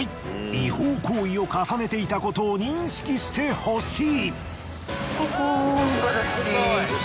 違法行為を重ねていたことを認識してほしい。